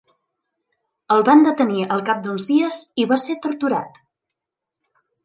El van detenir al cap d'uns dies i va ser torturat.